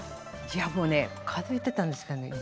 いやもうね数えてたんですけどね